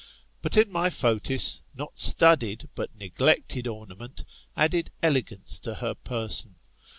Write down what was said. But in my Fotis, not studied, but neglected ornament, added elegance to her person.